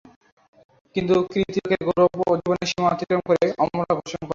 কিন্তু কৃতি লোকের গৌরব জীবনের সীমা অতিক্রম করে অমরতা ঘোষণা করে।